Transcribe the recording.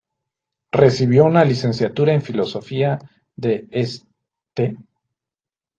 Recibió una licenciatura en filosofía de St.